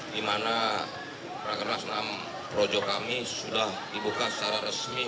di mana rakernas enam projo kami sudah dibuka secara resmi